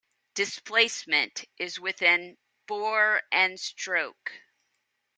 Displacement is with an bore and stroke.